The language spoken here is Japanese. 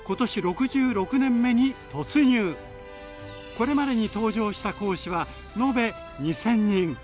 これまでに登場した講師は延べ２，０００人。